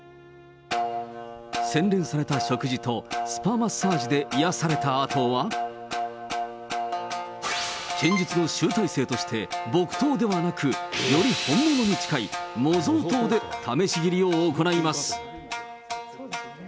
洗練された食事と、スパマッサージで癒やされたあとは、剣術の集大成として、木刀ではなく、より本物に近い模造刀で試し斬りを行います。